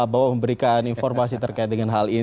bahwa memberikan informasi terkait dengan hal ini